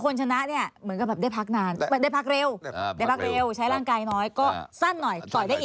คนชนะจะได้พักเร็วใช้ร่างกายน้อยจอดได้สักหน่อย